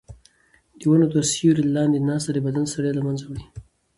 د ونو تر سیوري لاندې ناسته د بدن ستړیا له منځه وړي.